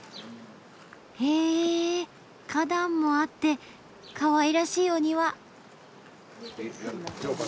へぇ花壇もあってかわいらしいお庭。